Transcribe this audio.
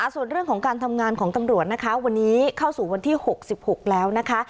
ส่วนเรื่องของการทำงานของตำรวจนะคะวันนี้เข้าสู่วันที่๖๖แล้วนะคะ